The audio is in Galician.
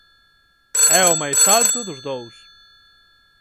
É o máis alto dos dous".